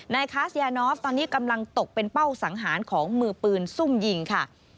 คาสยานอฟตอนนี้กำลังตกเป็นเป้าสังหารของมือปืนซุ่มยิงค่ะ